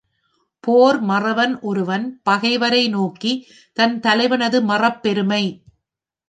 போர் மறவன் ஒருவன் பகைவரை நோக்கித் தன் தலைவனது மறப் பெருமை.